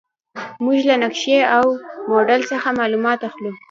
موږ له نقشې او موډل څخه معلومات اخلو.